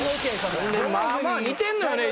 まあまあ似てんのよね